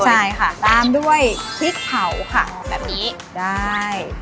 ใช่ค่ะตามด้วยพริกเผาค่ะแบบนี้ได้